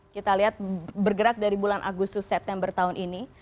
kita lihat bergerak dari bulan agustus september tahun ini